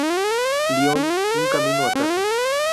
Lion, Un camino a casa.